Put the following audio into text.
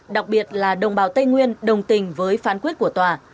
đặc biệt là đồng bào tây nguyên đồng tình với phán quyết của tòa